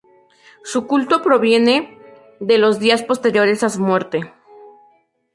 Su culto proviene de los días posteriores a su muerte.